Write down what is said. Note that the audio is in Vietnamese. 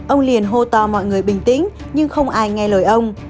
ông liền hô to mọi người bình tĩnh nhưng không ai nghe lời ông